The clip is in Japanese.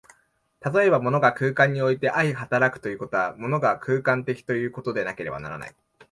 例えば、物が空間において相働くということは、物が空間的ということでなければならない。